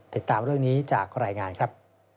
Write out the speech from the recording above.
ติดตามเรื่องนี้จากรายงานครับ